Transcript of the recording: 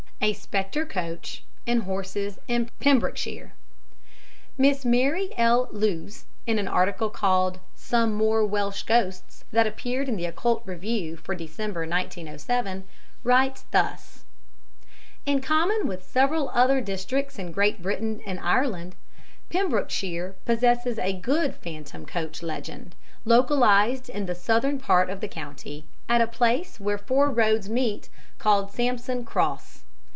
A Spectre Coach and Horses in Pembrokeshire Miss Mary L. Lewes, in an article called "Some More Welsh Ghosts," that appeared in the Occult Review for December, 1907, writes thus: "In common with several other districts in Great Britain and Ireland, Pembrokeshire possesses a good 'phantom coach' legend, localized in the southern part of the county, at a place where four roads meet, called Sampson Cross.